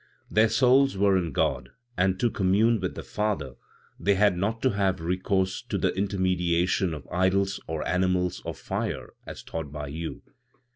"Their souls were in God and to commune with the Father they had not to have recourse to the intermediation of idols, or animals, or fire, as taught by you.